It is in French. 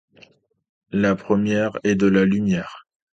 La première est de la lumière